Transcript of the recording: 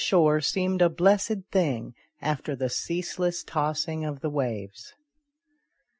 shore seemed a blessed thing after the ceaseless toss ing of the waves.